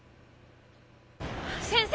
先生！